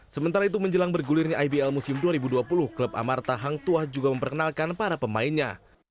sementara itu menjelang bergulirnya ibl musim dua ribu dua puluh klub amarta hang tuah juga memperkenalkan para pemainnya